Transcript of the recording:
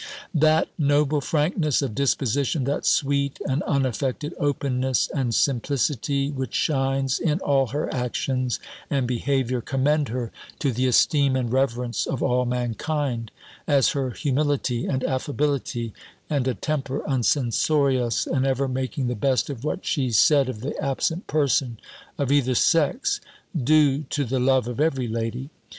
"That noble frankness of disposition, that sweet and unaffected openness and simplicity, which shines in all her actions and behaviour, commend her to the esteem and reverence of all mankind; as her humility and affability, and a temper uncensorious, and ever making the best of what she said of the absent person, of either sex, do to the love of every lady.